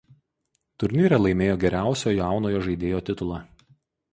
Turnyre laimėjo geriausio jaunojo žaidėjo titulą.